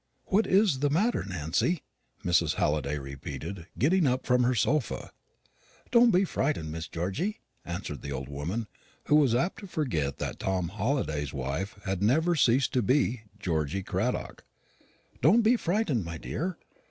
"What is the matter, Nancy?" Mrs. Halliday repeated, getting up from her sofa. "Don't be frightened, Miss Georgy," answered the old woman, who was apt to forget that Tom Halliday's wife had ever ceased to be Georgy Cradock; "don't be frightened, my dear.